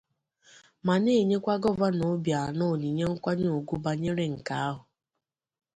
ma na-enyekwa Gọvanọ Obianọ onyinye nkwanye ugwu bànyere nke ahụ